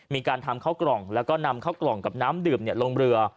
มีการทำข้าวกล่องแล้วก็นำเข้ากล่องกับน้ำดื่มลงเรือ